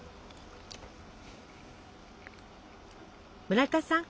村田さん